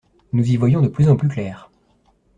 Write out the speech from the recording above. Nous y voyons de plus en plus clair.